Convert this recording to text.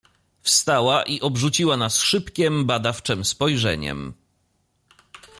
"Wstała i obrzuciła nas szybkiem, badawczem spojrzeniem."